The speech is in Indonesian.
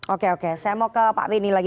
oke oke saya mau ke pak benny lagi